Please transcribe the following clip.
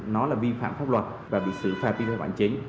nó là vi phạm pháp luật và bị xử phạt vi phạm hành chính